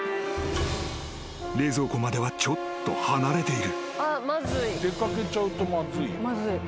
［冷蔵庫まではちょっと離れている］